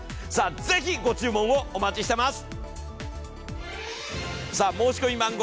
ぜひ、ご注文をお待ちしています！